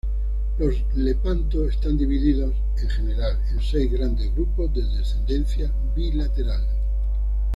Los lepanto están divididos, en general, en seis grandes grupos de descendencia bilateral.